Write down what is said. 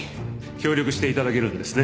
協力して頂けるんですね？